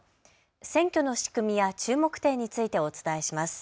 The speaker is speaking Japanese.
選挙の仕組みや注目点についてお伝えします。